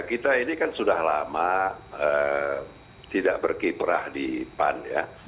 kita ini kan sudah lama tidak berkiprah di pan ya